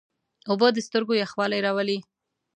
اوبه د سترګو یخوالی راولي.